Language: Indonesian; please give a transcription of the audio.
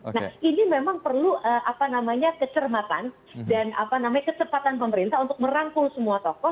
nah ini memang perlu apa namanya kecermatan dan apa namanya kecepatan pemerintah untuk merangkul semua tokoh